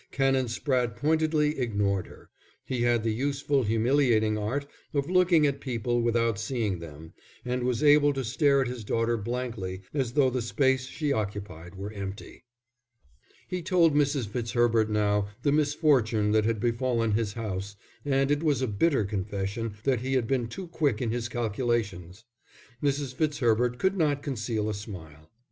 Canon Spratte pointedly ignored her. He had the useful, humiliating art of looking at people without seeing them, and was able to stare at his daughter blankly as though the space she occupied were empty. He told Mrs. Fitzherbert now the misfortune that had befallen his house, and it was a bitter confession that he had been too quick in his calculations. Mrs. Fitzherbert could not conceal a smile.